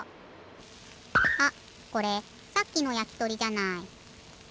あっこれさっきのやきとりじゃない。